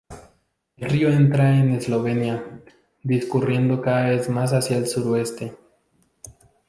El río entra en Eslovenia, discurriendo cada vez más hacia el sureste.